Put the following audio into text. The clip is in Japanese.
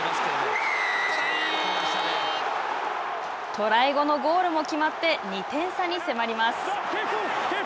トライ後のゴールも決まって２点差に迫ります。